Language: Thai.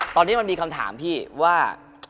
ตอนนี้มันมีคำถามพี่ว่า